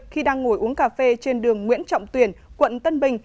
khi đang ngồi uống cà phê trên đường nguyễn trọng tuyển quận tân bình